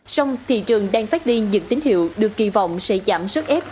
sông thị trường đang phát đi những tín hiệu được kỳ vọng sẽ giảm sức ép